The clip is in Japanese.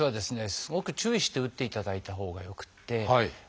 すごく注意して打っていただいたほうがよくて。